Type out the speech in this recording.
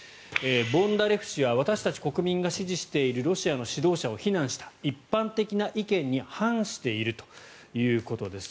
ボンダレフ氏は私たち国民が支持しているロシアの指導者を非難した一般的な意見に反しているということです。